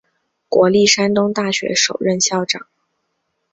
国立山东大学首任校长。